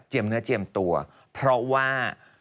เนื้อเจียมตัวเพราะว่า